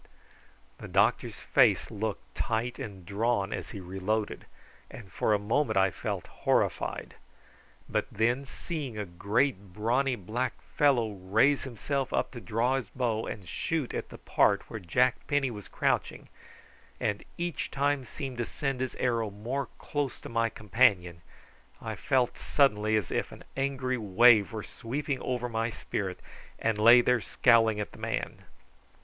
The doctor's face looked tight and drawn as he reloaded, and for a moment I felt horrified; but then, seeing a great brawny black fellow raise himself up to draw his bow and shoot at the part where Jack Penny was crouching, and each time seem to send his arrow more close to my companion, I felt suddenly as if an angry wave were sweeping over my spirit, and lay there scowling at the man.